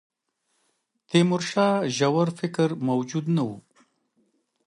تیمورشاه ژور فکر موجود نه وو.